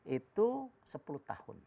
itu sepuluh tahun